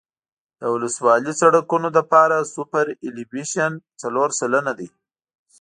د ولسوالي سرکونو لپاره سوپرایلیویشن څلور سلنه دی